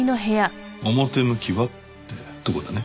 表向きはってとこだね。